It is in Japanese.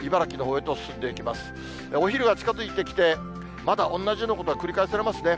お昼が近づいてきて、まだ同じようなことが繰り返されますね。